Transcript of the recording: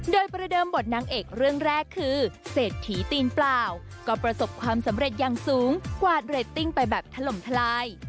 โดยประเดิมบทนางเอกเรื่องแรกคือเศรษฐีตีนเปล่าก็ประสบความสำเร็จอย่างสูงกวาดเรตติ้งไปแบบถล่มทลาย